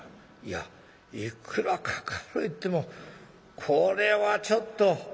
「いやいくらかかるいってもこれはちょっと。